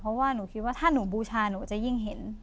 เพราะว่าหนูคิดว่าถ้าหนูบูชาหนูจะยิ่งเห็น